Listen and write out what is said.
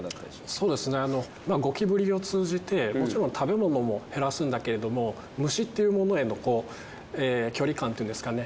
そうですねゴキブリを通じてもちろん食べ物も減らすんだけれども虫っていうものへのこう距離感っていうんですかね